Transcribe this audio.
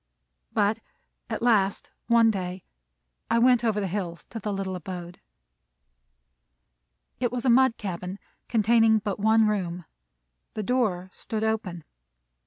But at last one day I went over the hills to the little abode. It was a mud cabin, containing but one room. The door stood open.